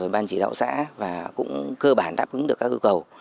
ban chỉ đạo xã và cũng cơ bản đáp ứng được các yêu cầu